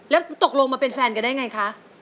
แล้วตกลงมาเป็นแฟนกันได้ไงคะ